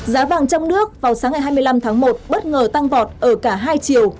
giá vàng trong nước vào sáng ngày hai mươi năm tháng một bất ngờ tăng vọt ở cả hai chiều